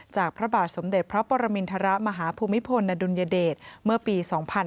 พระบาทสมเด็จพระปรมินทรมาฮภูมิพลอดุลยเดชเมื่อปี๒๕๕๙